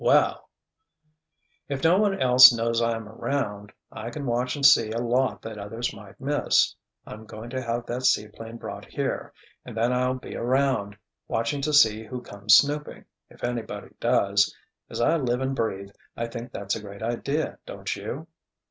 Well——" "If no one else knows I'm around—I can watch and see a lot that others might miss. I'm going to have that seaplane brought here—and then I'll be around, watching to see who comes snooping—if anybody does. As I live and breathe, I think that's a great idea, don't you?"